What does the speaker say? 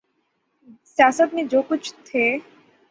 سیاست میں جو کچھ تھے۔